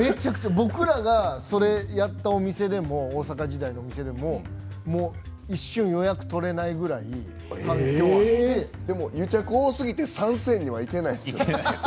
僕らがそれをやったお店でも大阪時代のお店でも一瞬予約取れないぐらい反響があってでも癒着多すぎて３選ではいけないです。